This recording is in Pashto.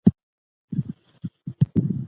سالم خوراک مزاج ښه کوي.